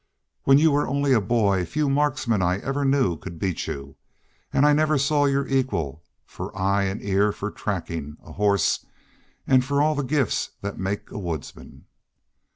When you were only a boy, few marksmen I ever knew could beat you, an' I never saw your equal for eye an' ear, for trackin' a hoss, for all the gifts that make a woodsman....